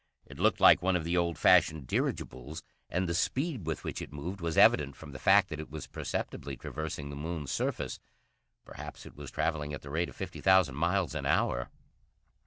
It looked like one of the old fashioned dirigibles, and the speed with which it moved was evident from the fact that it was perceptibly traversing the Moon's surface. Perhaps it was travelling at the rate of fifty thousand miles an hour.